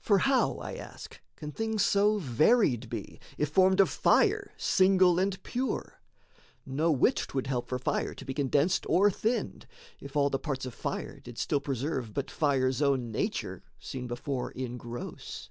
For how, I ask, can things so varied be, If formed of fire, single and pure? No whit 'Twould help for fire to be condensed or thinned, If all the parts of fire did still preserve But fire's own nature, seen before in gross.